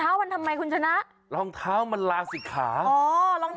มาอย่างงี้ตาหองเท้ามันไม่มีดอก